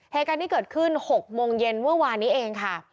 เหตุการณ์ที่เกิดขึ้น๖โมงเย็นเมื่อวานนี้เองค่ะ